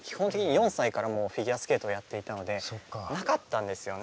４歳からフィギュアスケートをやっていたのでなかったんですよね。